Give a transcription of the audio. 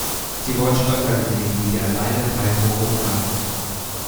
Sie wurden schon öfter gesehen, wie sie alleine frei herum rannten.